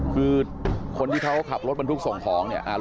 คือคนที่เขาขับรถบรรทุกส่งของเนี่ย